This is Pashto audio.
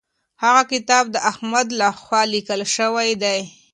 هغه کتاب د احمد لخوا لیکل سوی دی.